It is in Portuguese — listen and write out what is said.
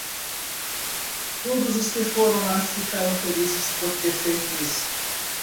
Todos os que foram lá ficaram felizes por ter feito isso.